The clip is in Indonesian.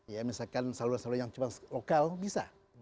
ya misalkan saluran saluran yang cuma lokal bisa